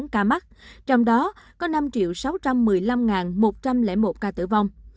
ba trăm năm mươi hai hai trăm bốn mươi ba tám trăm chín mươi bốn ca mắc trong đó có năm sáu trăm một mươi năm một trăm linh một ca tử vong